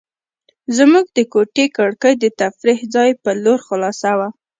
زموږ د کوټې کړکۍ د تفریح ځای په لور خلاصه وه.